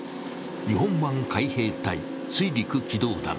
日本版海兵隊、水陸機動団。